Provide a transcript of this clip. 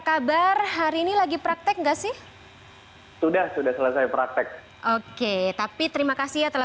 kabar hari ini lagi praktek nggak sih sudah sudah selesai praktek oke tapi terima kasih ya telah